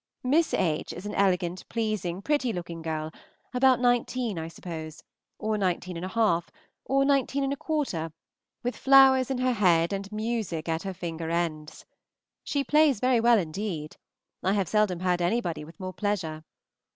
Miss H. is an elegant, pleasing, pretty looking girl, about nineteen, I suppose, or nineteen and a half, or nineteen and a quarter, with flowers in her head and music at her finger ends. She plays very well indeed. I have seldom heard anybody with more pleasure.